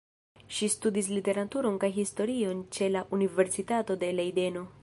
Ŝi studis literaturon kaj historion ĉe la Universitato de Lejdeno.